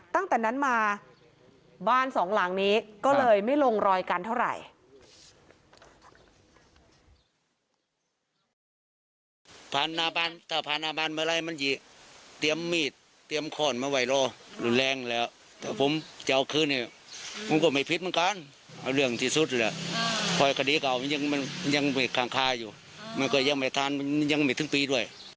ตั้งแต่นั้นมาหลังนี้แล้วก็ไม่ลงรอยกันเท่าไหร่